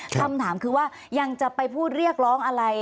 คำถามคือว่ายังจะไปพูดเรียกร้องอะไร